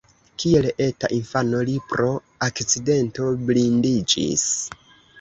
Kiel eta infano li pro akcidento blindiĝis.